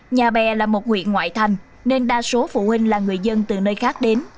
nhà bè là một huyện ngoại thành nên đa số phụ huynh là người dân từ nơi khác đến